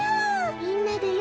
みんなでよ